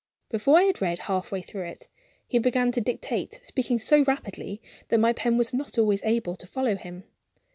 Before I had read half way through it, he began to dictate, speaking so rapidly that my pen was not always able to follow him.